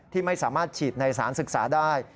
ที่ไม่สามารถฉีดในสารศึกษาได้